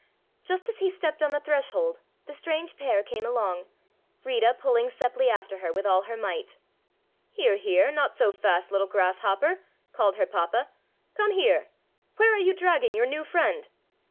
Just as he stepped on the threshold the strange pair came along, Rita pulling Seppli after her with all her might. "Here, here! Not so fast, little Grasshopper!" called her papa. "Come here! Where are you dragging your new friend?"